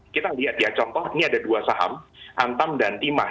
kita lihat ya contoh ini ada dua saham antam dan timah